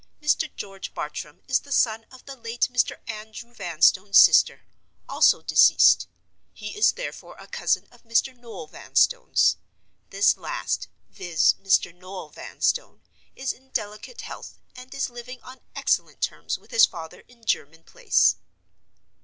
Mr. George Bartram is the son of the late Mr. Andrew Vanstone's sister, also deceased. He is therefore a cousin of Mr. Noel Vanstone's. This last—viz., Mr. Noel Vanstone—is in delicate health, and is living on excellent terms with his father in German Place.